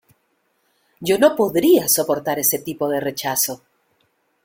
¡ Yo no podría soportar ese tipo de rechazo!